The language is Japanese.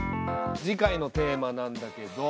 次回のテーマなんだけど。